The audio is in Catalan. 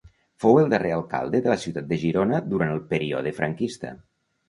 Fou el darrer alcalde de la ciutat de Girona durant el període franquista.